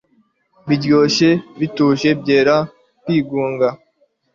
Biryoshye bituje byera kwigunga